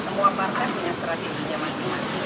semua partai punya strateginya masing masing